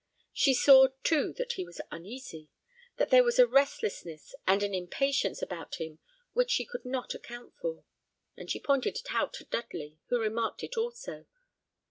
She saw, too, that he was uneasy; that there was a restlessness and an impatience about him which she could not account for; and she pointed it out to Dudley, who remarked it also.